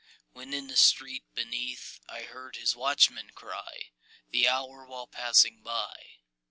When in the street beneath I heard his watchman cry The hour, while passing by.